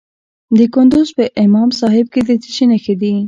د کندز په امام صاحب کې د څه شي نښې دي؟